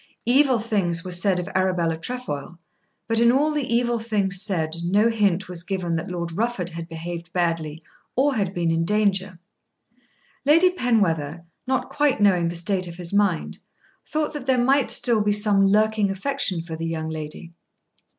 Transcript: Evil things were said of Arabella Trefoil, but in all the evil things said no hint was given that Lord Rufford had behaved badly or had been in danger. Lady Penwether, not quite knowing the state of his mind, thought that there might still be some lurking affection for the young lady.